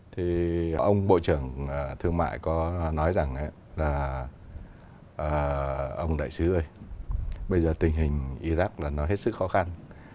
thì ông bộ trưởng thương mại có nói rằng là ông đại sứ ơi bây giờ tình hình iraq là nó hết sức khó khăn